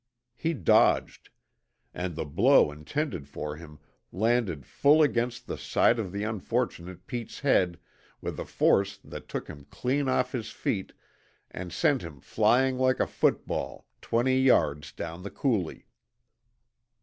He dodged; and the blow intended for him landed full against the side of the unfortunate Pete's head with a force that took him clean off his feet and sent him flying like a football twenty yards down the coulee.